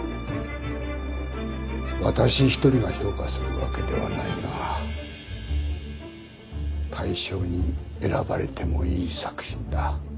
私一人が評価するわけではないが大賞に選ばれてもいい作品だ。